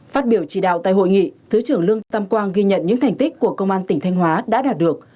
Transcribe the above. phát biểu chỉ đạo tại hội nghị thứ trưởng lương tam quang ghi nhận những thành tích của công an tỉnh thanh hóa đã đạt được